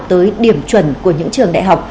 tới điểm chuẩn của những trường đại học